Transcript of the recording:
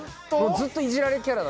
ずっといじられキャラ。